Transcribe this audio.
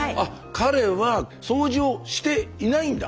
彼は掃除をしていないんだ？